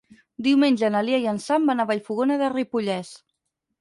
Diumenge na Lia i en Sam van a Vallfogona de Ripollès.